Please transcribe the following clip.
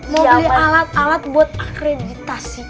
mau beli alat alat buat akreditasi